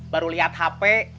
baru lihat hp